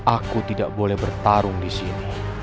aku tidak boleh bertarung disini